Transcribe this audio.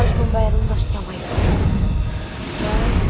kau harus membayar